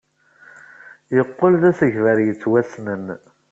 Yeqqel d asegbar yettwassnen.